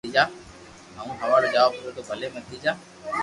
ھون ھوارو جاو پرو تو ڀلي متيجا